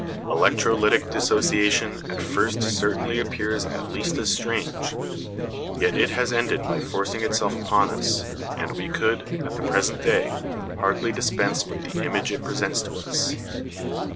Electrolytic dissociation at first certainly appeared at least as strange; yet it has ended by forcing itself upon us, and we could, at the present day, hardly dispense with the image it presents to us.